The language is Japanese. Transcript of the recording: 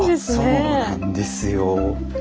そうなんですよ。